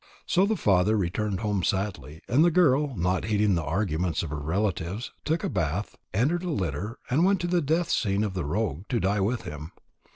So the father returned home sadly. And the girl, not heeding the arguments of her relatives, took a bath, entered a litter, and went to the death scene of the rogue, to die with him.